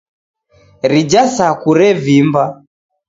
Rija saku revimba.